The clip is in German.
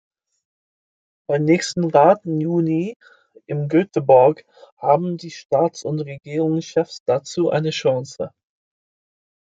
Beim nächsten Rat im Juni in Göteborg haben die Staats- und Regierungschefs dazu eine Chance.